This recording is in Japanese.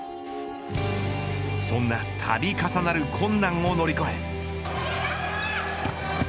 そんな度重なる困難を乗り越え。